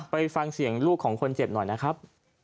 ไปฟังเสียงลูกของคนเจ็บหน่อยนะครับ